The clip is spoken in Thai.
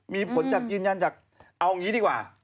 มีผลจากยืนยันจากเอาอย่างนี้ดีกว่า